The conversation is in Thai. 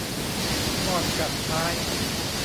มอดกัดไม้